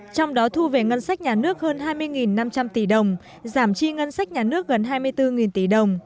trong đó thu về ngân sách nhà nước hơn hai mươi năm trăm linh tỷ đồng giảm chi ngân sách nhà nước gần hai mươi bốn tỷ đồng